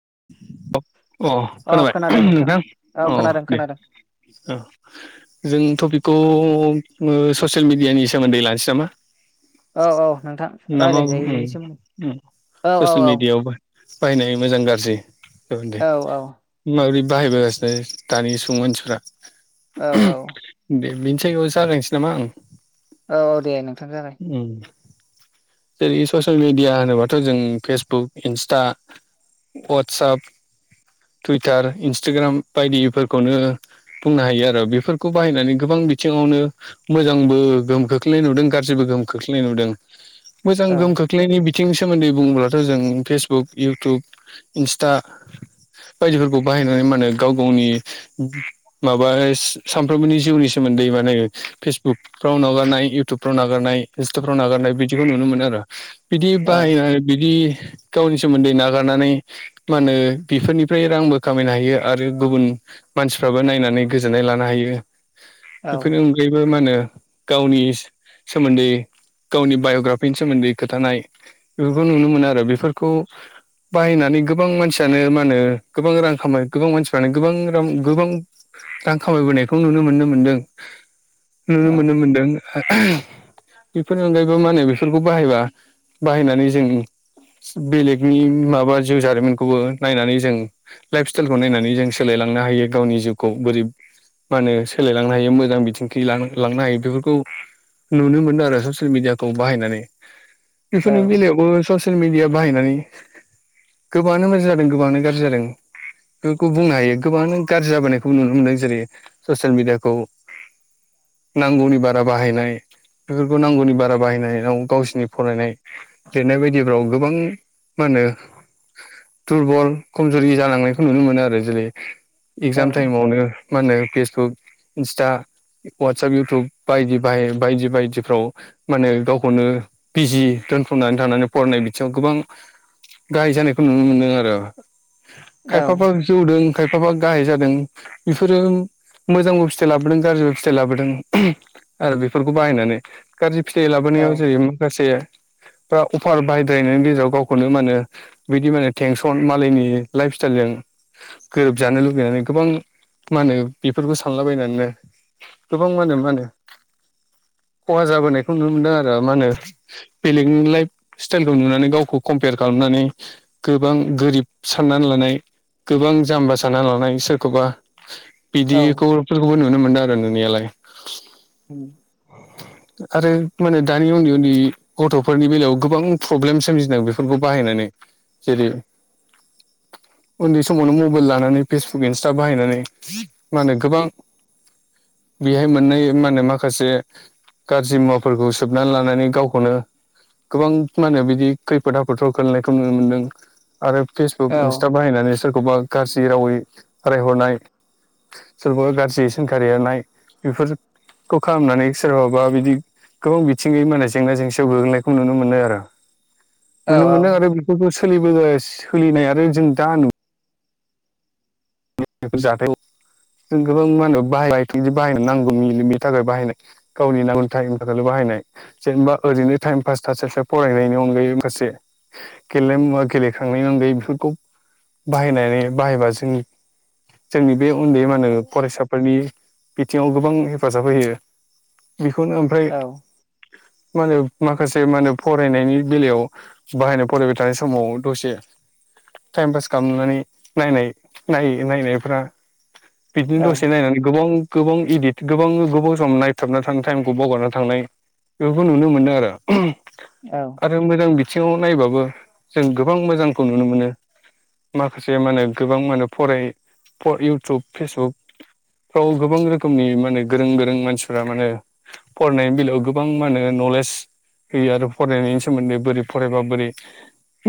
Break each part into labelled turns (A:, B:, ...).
A: [inaudible] अ खोनाबाय नोंथां
B: औ
A: अ
B: खोनादों
A: दे।
B: खोनादों
A: जों टपिकखौ ओ ससियेल मिडियानि सोमोन्दै लानोसै नामा?
B: औ औ नोंथां
A: ना मा
B: रायलायजायो बेनि सोमोन्दै
A: बुंङो?
B: औ औ
A: ससियेल
B: औ
A: मिडियाआव बाहायनाय मोजां गाज्रि जागोन दे
B: औ औ
A: माबोरै बाहायबोगासिनो दानि सुबुं मानसिफ्रा
B: औ औ।
A: बिनि थाखायायगायाव जालायनोसै नामा आं ।
B: औ दे नोंथां जाबाय।
A: [inaudible] जेरै ससियेल मिडिया होनोबाथ' जों फेसबुक इन्स्टा वाट वाट्सप टुइटार इन्सटाग्राम बायदिफोरखौनो बुंनो हायो आरो बेफोरखौ बाहायनानै गोबां बिथिङावनो मोजांबो गोहोम खोख्लै नुदों गाज्रिबो गोहोम खोख्लैनाय नुदों। मोजां
B: औ
A: गोहोम खोख्लैनायनि बिथिं सोमोन्दै बुङोब्लाथ' जों फेसबुक इउटुब इन्सटा बायदिफोरखौ बाहायनानै मा होनो गाव गावनि माबा सानफ्रोमबोनि जिउनि सोम मोन्दै माने फेसबुकफ्राव नागारनाय इउटुबफ्राव नागारनाय इन्स्टाफ्राव नागारनाय बिदिखौ नुनो मोनो आरो बिदि
B: औ
A: बाहायनानै बिदि गावनि सोमोन्दै नागारनानै मा होनो बेफोरनिफ्राय रांबो खामायनो हायो आरो गुबुन मानसिफ्राबो नायनानै गोजोननाय ला लानो हायो
B: औ
A: बेफोरनि अनगायैबो मा होनो गावनि सोमोन्दै गावनि बाय'ग्राफिनि सोमोन्दै खोथानाय बेफोरखौ नुनो मोनो आरो बेफोरखौ बाहायनानै गोबां मानसियानो मा होनो गोबां रां खामाय गोबां मानसिफ्रानो गोबां रां गोबां रां खामायबोनायखौ नुनो मोननो मोनदों नुनो
B: औ
A: मोननो मोनदों। बेफोरनि अनगायैबो मा होनो बेफोरखौ बाहायबा बाहायनानै जों बेलेगनि माबा जिउ जारिमिनखौबो नायनानै जों लाइफ स्टाइलखौ नायनानै जों सोलायलांनो हायो गावनि जिउखौ बोरै मा होनो सोलायलांनो हायो मोजां बिथिंखि लांनो हायो बेफोरखौ नुनो मोनो आरो ससियेल मिडियाखौ बाहायनानै।
B: औ
A: बेफोर बेलायावबो ससियेल मिडिया बाहायनानै गोबाङानो मोजां जादों गोबाङानो गाज्रि जादों। बेफोरखौ बुंनो हायो गोबांङानो गाज्रि जाबोनायखौ नुनो मोनदों ।जेरै ससियेल मिडियाखौ नांगौनि बारा बाहायनाय बेफोरखौ नांगौनि बारा बाहायनायाव गावसोरनि फरायनाय लिरनाय बायदिफ्राव गोबां मा होनो दुरबल खमजुरि जालांनायखौ नुनो मोनो आरो जेरै
B: औ
A: एगजाम टाइमावनो मा होनो फेसबुक इन्सटा वाट्सप इउटुब बायदि बाय बायदि बायदिफ्राव माने गावखौनो बिजि दोनथ'नानै थानानै फरायनाय बिथिङाव गोबां गाहाय जानाय खौ नुनो मोनदों आरो
B: औ
A: खायफाफा जौदों खायफाबा गाहाय जादों बेफोरो मोजांबो फिथाइ लाबोदों गाज्रिबो फिथाइ लाबोदों आरो बेफोरखौ बाहायनानै गाज्रि फिथाइ लाबोनायाव जेरै माखासे बा अफार बाहायद्रायनायनि गेजेराव गावखौनो मा होनो बिदि माने टेनसन मालायनि लाइफ स्टाइलजों गोरोबजानो लुुबैनानै गोबां मा होनो बेफोरखौ सानलाबायनानैनो गोबां मा होनो माहोनो खहा जाबोनायखौ नुनो मोनदों आरो मा होनो बेलेगनि लाइफ स्टाइलखौ नुनानै गावखौ कम्पेयार खालामनानै गोबां गोरिब साननानै लानाय गोबां जाम्बा सानना लानाय सोरखौबा बिदिखौफोरखौबो नुनो मोनदों आरो नुनायालाय।
B: [inaudible]
A: [inaudible] आरो माने दानि उन्दै उन्दै गथ'फोरनि बेलायाव गोबां प्रब्लेम सोमजिदों बेफोरखौ बाहायनानै जेरै उन्दै समावनो मबेल लानानै फेसबुक इन्सटा बाहायनानै मा होनो गोबां बेहाय मोननाय माने माखासे गारजि मुवाफोरखौ सोबना लानानै गावखौनो‌ गोबां मा होनो बिदि खैफोद आफोदाव खोलैनाय खौ नुनो मोनदों आरो फेसबुक
B: औ
A: इन्सटा बाहायनानै स सोरखौबा गारजि रावै रायहरनाय सोरबा गारजि सोंखारि एरनाय बेफोर खौ खालामनानै सोरबाबा बिदि गोबां बिथिङै माने जेंना जेंसिआव गोग्लैनायखौ नुनो मोनो आरो नुनो मोनो आरो बेफोरखौ सोलिबोनाय सोलिनाय आरो जों दा नु ओ जाथायखौ जों गोबां मा होनो बाहायबाय थि बाहायनो नांगौनि बे बेनि थाखाय बाहायनाय गावनि नांगौनि थाखायनि थाखायल' बाहाय बाहायनाय जेनेबा ओरैनो टाइम पास थास्लायस्लाय फरायनायनि अनगायै माखासे गेलेनाय मुवाख गेलेखांनायनि अनगायै बेफोरखौ बाहायनानै बाहायबा जोंनि जोंनि बे उन्दै मा होनो फरायसाफोरनि बिथिङाव गोबां हेफाजाब होयो बेखौनो ओमफ्राय मा होनो माखासे मा होनो फरायनायनि बेलायाव बाहायनाय फरायबाय थानाय समाव दसे टाइम पास खालामनानै नायनाय नाय नायनायफ्रा बिदिनो दसे नायनानै गोबाव गोबां गिदित गोबां गोबाव सम नायथाबना थांनो टाइमखौ बावगारना थांनाय बेखौ नुनो मोनो आरो आरो मोजां बि थिङाव नायोबाबो जों गोबां मोजांखौ नुनो मोनो माखासे मा होनो गोबां मा होनो फराय फ इउटुब, फेसबुक फ्राव गोबां रोखोमनि माने गोरों गोरों मानसिफ्रा माने फरायनायनि बेलायाव गोबां मा होनो नलेज होयो आरो फरायनायनि सोमोन्दै बोरै फरायबा बोरै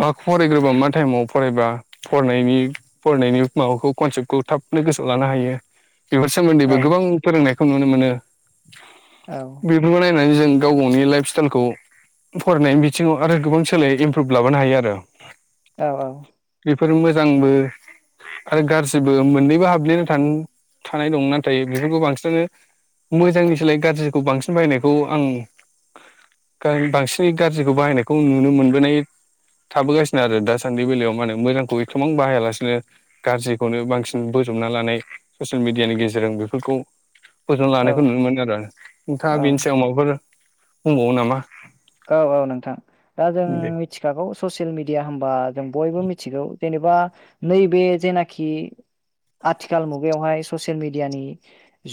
A: मा फरायग्रोबा मा टाइमाव फरायबा फरायनायनि फरायनायनि माबाखौ कनसेप्टखौ थाबनो गोसोआव लानो हायो बेफोर सोमोन्दैबो गोबां फोरोंनाय खौ नुनो मोनो बेफोरखौ नायनानै जों गाव गावनि लाइफ स्टेइलखौ फरायनायनि बिथिङाव आरो गोबां सोलाय इमप्रुभ लाबोनो हायो आरो
B: औ अ
A: बेफोर मोजांबो आरो गारजिबो मोननैबो हाबदेरना थाङो थानाय दं नाथाय बेफोरखौ बांसिनानो मोजांनि सोलाय गारजिखौ बांसिन बाहायनायखौ आं गा बांसिनै गारजि खौ बाहायनायखौ नुनो मोनबोनाय थाबोगासिनो आरो दासान्दि बेलायाव माने मोजांखौ एथ'बां बाहायालासिनो। गारजि खौनो बांसिन बोजबना लानाय ससियेल मिडियानि गेजेरजों बेफोरखौ बोजबना लानायखौ नुनो मोनो आरो नोंथाङा
B: औ
A: बेनि सायाव माबाफोर बुंबावो नामा?
B: औ औ नोंथां दा जों
A: दे
B: मिथिखागौ ससियेल मिडिया होनबा जों बयबो मिथिगौ। जेनेबा नैबे जेनाखि आथिखाल मुगायावहाय ससियेल मिडियानि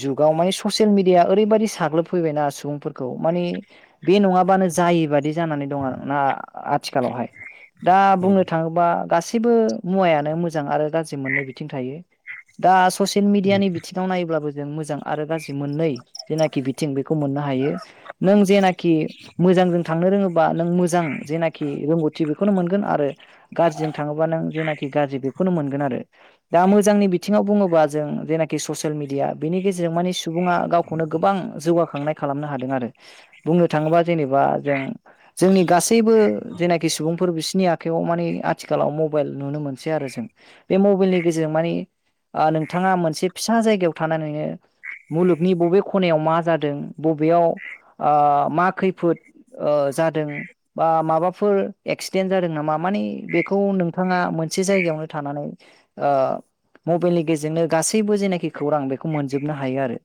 B: जुगाव माने ससियेल मिडिया ओरैबायदि साग्लोबफै फैना सुबुं फोरखौ माने बे नङाबानो ज जायि बादि जानानै दं आरोना आथिखालावहाय दा
A: उम
B: बुंनो थाङोबा गास सैबो मुवायानो मोजां आरो गाज्रि मोननै बिथिं थायो दास ससियेल मिडियानि बिथिङाव नायोब्लाबो जों मोजां आरो गाज्रि मोननै जेनाखि बिथिं बेखौ मोननो हायो। नों जेनाखि मोजांजों थांनो रोङोबा नों मोजां जेनाखि रोंगौथ थि बेखौनो मोनगोन आरो गारजिजों थाङोबा नों जेनाखि गारजि बेखौनो मोनगोन आरो दा मोजांनि बिथ बिथिङाव बुङोबा जों जेनाखि ससियेल मिडिया बिनि गेजेरजों मानि सु सुबुङा गावखौनो गोबां जौगाखांनाय खालामनो हादों आरो बुंनो थाङोबा जेनेबा जों जोंनि गासैबो जेनाखि सुबुंफोर बिसि सिनि आखाइयाव मानिे आथिखालाव मबाइल नुनो मोनसै आरो जों बे मबाइलनि गेजेरजों मानिे नोंथाङा मोनसे फिसा जायगायाव थानानै नोङो मुलुगनि बबे खनायाव मा जादों बबेयाव मा खै फोद जादों बा माबाफोर एक्सिडेन्ट जादों नामा माने बेखौ नोंथ बिथाङा मोनसे जायगायावनो थानानै मबाइलनि गेजेरजोंनो गासैबो जेनाखि खौरां बेखौ मोनजोबनो हायो आरो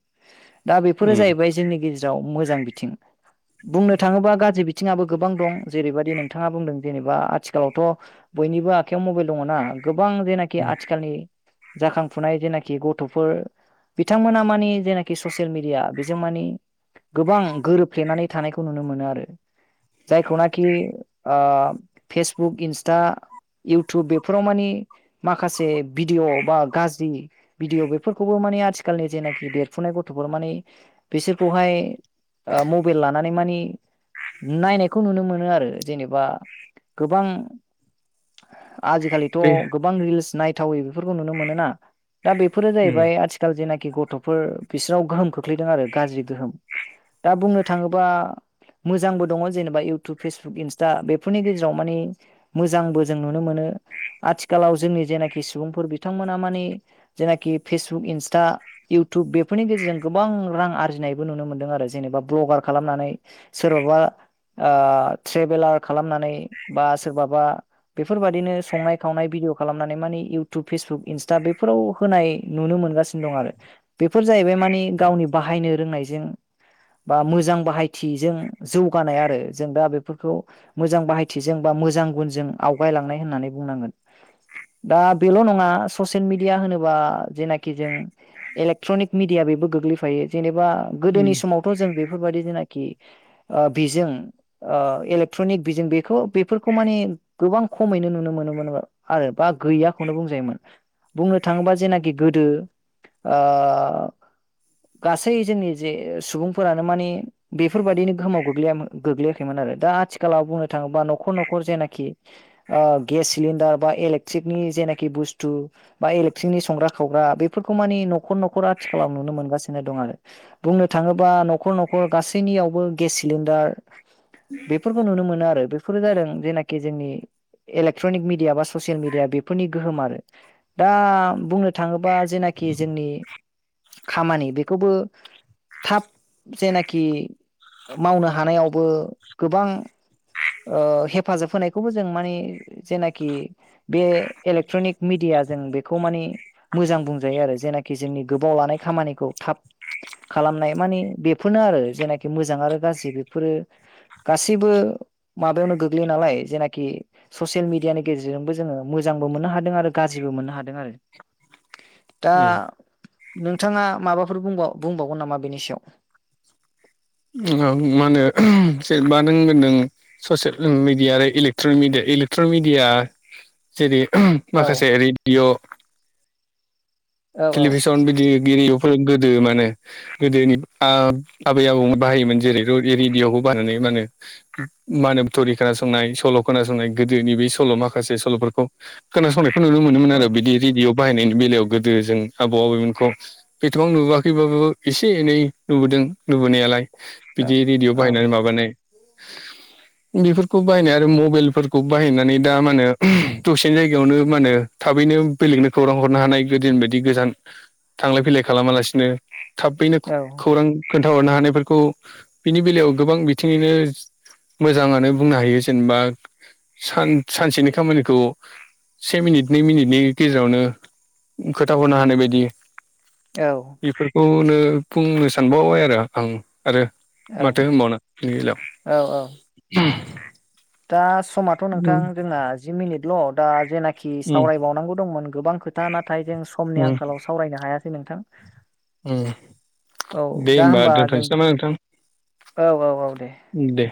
B: दा बेफोरो
A: उम
B: जाहैबाय जोंनि गेजेराव मोजां बिथिं बुंनो थाङोबा गाज्रि बिथिङाबबो गोबां दं जेरैबायदि नों बिथाङा बुंदों जेनेबा आथिखालावथ बयनिबो आखयाव मबाइल दङना गोबां जेनाखि आथिखालनि जाखांफुनाय जेनाखि गथफोर बिथांमोना मानिे जेनाखि ससियेल मिडिया बेजों मानि गोबां गोरोबफ्लेनानै थानायखौ नुनो मोनो आरो जायखौनाखि फेसबुक इन्सटा इउटुब बेफोराव मानि माखासे भिडिअ' बा गाज्रि भिडिअ बेफोरखौबो म आथिखालनि देरफुनाय गथ'फोर माने बिसोरखौहाय मबे ला नानै म नायनायखौ नुनो मोनो आरो जेनेबा गोबां
A: [inaudible]
B: आजिखालिथ
A: दे
B: गोबां रिल्स नायथावै बेफोरखौ नुनो मोनोना दा बेफोरो
A: उम
B: जाहैबाय आथिखाल जेनाखि खि गथफोर बिसोरनाव गोहोम खोख्लैदों आरो गाज्रि गोहोम दा बुंनो थाङोबा मोजांबो दङ जेनेबा इउटुब फेसबुक इन्स्टा बेफोरनि गेजेराव माने मोजांबो जों नुनो मोनो आथिखालाव जोंनि जेनाखि सुबुंफोर बिथांमोना मानिे जेनाखि फेसबुक इन्स्टा इउटुब बेफोरनि गेजेरजों गोबां रां आरजिनायबो नुनो मोनदों आरो जेनेबा भ्लगार खालामनानै सोरबाबा ट्रेभेलार खालामनानै बा सोरबाबा बेफोरबायाददिनो संनाय खावनाय बिदि अ खालामनानै माने इटुब फेसबुक इटा बेफोराव होनाय नुनो मोनगासिनो दं आरो बेफोर जाय [unintelligible] माने गावनि बाहायनो लोंनायजों बा मो मोजां बाहायथिजों। जौगानाय आरो जों दा बिफोरखौ मोजां बाहायथि जों बा मोजां गुनजों आवगायलांनाय होननानै बुंनांगोन दा बेल नङा ससियेल मिडिया होनोबा जेनाखि जों इलेक्ट्रनिक मिडिया बो गोग्लैफायो जेनेबा
A: उम
B: गोदोनि समावथ' ज बे बेबदि जेनाखि बिजों इलेकट्रनिक बिजों बे बेफोरखौ माने गोबां खमैनो नुनो मोनोमोन आरो बा गैयाखौनो बुंजायोमोन बुंनो थाङोबा जेनाखि गोदो गासै जोंनि जे सुबुंफोरानो मे बेफोरबायदिनो गोहाव गोाखैमोना आथिखालाव बुंनोाङोबा न'ख' जा [unintelligible] ग्रा खावग्रा बेफोरखौ मानि नखर नखर आथिखालाव नुनो मोनगासिनो दं आरो बुंनो थाङोबा नखर नखर गासैनियावबो गेस सिलिणडार बेफोरखौ नुनो मोनो आरो बेफोरो जादों जेनाखि जोंनि इलेक्ट्रनिक मिडिया बा ससियेल मिडिया बेफोरनि गोहोम आरो दा बुंनो थाङोबा जेनाि खि जोंनि खामानि बेखौबो थाब जेनाखि मावनो हानायावबो गोबां हेफाजाब होनायखौबो जों मानिे जेनाखि बे इलेक्ट्रनिक मिडिया जों बेखौ मानिे मोजां बुंजायो आरो जेनाखि जोंनि गोबाव लानाय खामानिखौ थाब खालामनाय माने बेफोरनो आरो जेनाखि मोजां आरो गाज्रि बेफोरो गासैबो माबायावनो गोग्लैयो नालाय जेनाखि ससियेल मिडियानि गेजेरजोंबो जोङो मोजांबो मोननो हादों आरो गाज्रिबो गो मोननो हादों आरो।
A: [inaudible]
B: दा
A: उम
B: नोंथाङा माबाफोर बुंबाव बुंबावगोन नामा बेनि सायाव?
A: [unintelligible] जेनबा नों होनदों। ससियेल मिडिया आरो इलेक्ट्रनिक मिडिया इलेक्ट्रनिक मिडिया जेरै
B: सायाव
A: माखासे रेडिय'।
B: औ औ
A: टलिभिसन बिदि। एरिफोर गोदो माने गोदोनि आबै आबौ बाहायोमोन जेरै एरिडयाव मा होनो [unintelligible] थरि खोनासंनाय सल' खोनासंनाय गोदोनि बे सल' माखासे सल'। खोनासंनायखौ नुनो मोनोन
B: औ
A: आरो बिदि रेडिअ बाहायनायनि बेलायाव गो दो जों आबौ आबैमोनखौ एथबाव नुबोआखैबाबो एसे एनै नुबोदों नुबोनायालाय।
B: औ
A: बिदि रेडिअ
B: औ
A: बाहायनानै माबानाय। बेफोरखौ बाहायनाय आरो मबाइलफोरखौ बाहायनानै दा मा होनो दसे जायगायावनो मा होनो? थाबैनो बेलेगनो खौरां हरनो हानाय। गोदोनि बायदि गोजान थांलाय फैलाय खालामालासिनो थाबैनो
B: औ
A: खौरां। खोन्थाहरनो हानायफोरखौ बिनि बेलायाव गोबां बिथिङैनो। मोजाङानो बुंनो हायो जेनेबा। सान सानसेनि खामानिखौ से मिनिट नै मिनिटनि गेजेरावनो। खोनथाहरनो हानाय बायदि
B: औ
A: बेफोरखौ। नो बुंनो सानबावबाय आरो आं। आरो
B: औ
A: माथो होनबावनो बेनि बेलायाव।
B: औ औ दा समाथ' नोंथां
A: उम
B: जोंहा जि मिनिटल' दा जेनाखि
A: उम
B: सावरायबावनांगौ दंमोन गोबां। खोथा नाथाय जों समनि
A: उम
B: आंखालाव सावरायनो हायासै नोंथां।
A: उम
B: औ
A: दे
B: दा होमबा जों
A: दोनथ'नोसै नामा नोंथां
B: औ औ औ। दे
A: दे